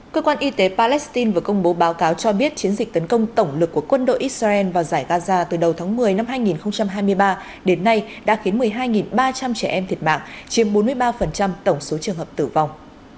cơ quan y tế palestine vừa công bố báo cáo cho biết chiến dịch tấn công tổng lực của quân đội israel vào giải gaza từ đầu tháng một mươi năm hai nghìn hai mươi ba đến nay đã khiến một mươi hai ba trăm linh trẻ em thiệt mạng chiếm bốn mươi ba tổng số trường hợp tử vong